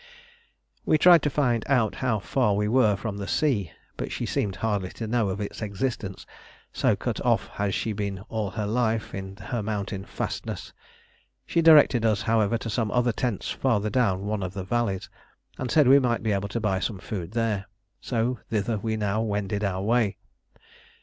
We tried to find out how far we were from the sea; but she seemed hardly to know of its existence, so cut off had she been all her life in her mountain fastness. She directed us, however, to some other tents farther down one of the valleys, and said we might be able to buy some food there; so thither we now wended our way.